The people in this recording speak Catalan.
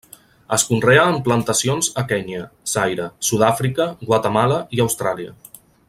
Es conrea en plantacions a Kenya, Zaire, Sud-àfrica, Guatemala i Austràlia.